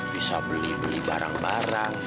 bisa beli beli barang barang